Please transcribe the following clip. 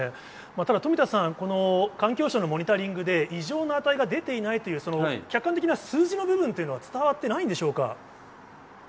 ただ、富田さん、この環境省のモニタリングで異常な値が出ていないという、その客観的な数字の部分というのは伝わってないんでしょうか？